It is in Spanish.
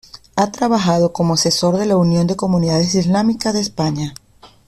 Ha trabajado como asesor de la Unión de Comunidades Islámicas de España.